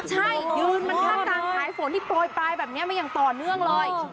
ใช่ยืนมันท่าตามหายฝนที่โปรยไปแบบนี้ไม่ยังต่อเนื่องเลย